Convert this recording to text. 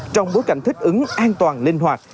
trong bối cảnh thích ứng an toàn linh hoạt